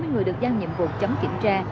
bốn mươi người được giao nhiệm vụ chấm chỉnh ra